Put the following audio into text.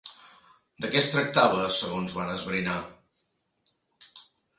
De què es tractava segons van esbrinar?